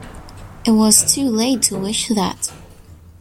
It was too late to wish that!